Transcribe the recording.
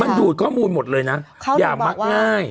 มันดูดข้อมูลหมดเลยน่ะเขาถึงบอกว่าอย่ามักง่าย